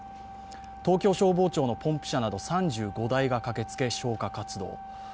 東京消防庁のポンプ車など３５台が駆けつけ消火活動。